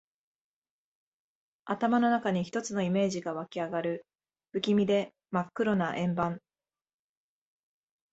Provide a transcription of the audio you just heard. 頭の中に一つのイメージが湧きあがる。不気味で真っ黒な円盤。